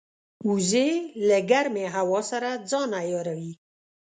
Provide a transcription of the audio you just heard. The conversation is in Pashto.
وزې له ګرمې هوا سره ځان عیاروي